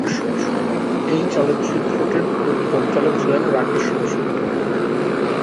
এই চলচ্চিত্রটির পরিচালক ছিলেন রাকেশ রোশন।